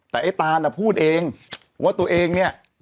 แต่ไอ้ตานพูดเองว่าตัวเองเนี่ย